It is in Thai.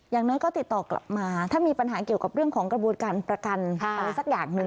อย่างน้อยก็ติดต่อกลับมาถ้ามีปัญหาเกี่ยวกับเรื่องของกระบวนการประกันอะไรสักอย่างหนึ่ง